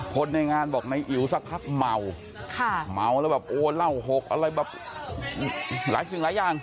คนในงานบอกในอิ๋วสักพักเมาเมาแล้วแบบโอ้เหล้าหกอะไรแบบหลายสิ่งหลายอย่าง